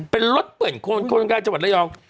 เป็นรถเปื่อนโคนคนกลางจังหวัดระยอง